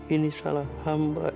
ini salah hamba